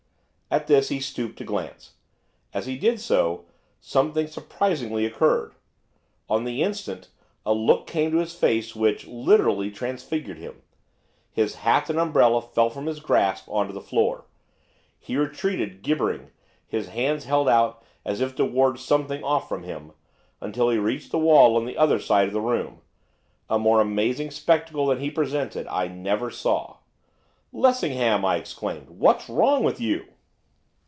At this he stooped to glance. As he did so, something surprising occurred. On the instant a look came on to his face which, literally, transfigured him. His hat and umbrella fell from his grasp on to the floor. He retreated, gibbering, his hands held out as if to ward something off from him, until he reached the wall on the other side of the room. A more amazing spectacle than he presented I never saw. 'Lessingham!' I exclaimed. 'What's wrong with you?